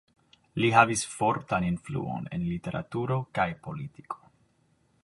Li havis fortan influon en literaturo kaj politiko.